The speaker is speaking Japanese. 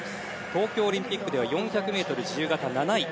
東京オリンピックでは４００ｍ自由形７位。